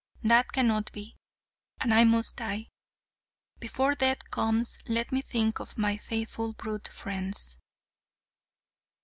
That cannot be, and I must die. Before death comes let me think of my faithful brute friends."